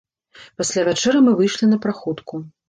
Пасля вячэры мы выйшлі на праходку.